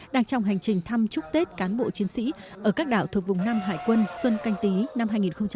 đang trong hành trình thăm chúc tết cán bộ chiến sĩ ở các đảo thuộc vùng nam hải quân xuân canh tí năm hai nghìn hai mươi